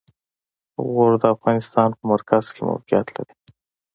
غور د افغانستان په مرکز کې موقعیت لري.